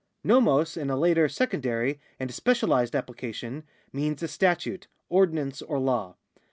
^oiiuQ in a later, secondary, and specialised apjolication, means a statute, ordinance, or law.